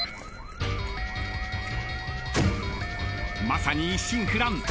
まさに一心不乱。